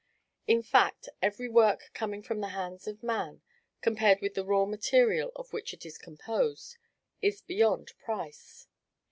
_ _In fact, every work coming from the hands of man compared with the raw material of which it is composed is beyond price.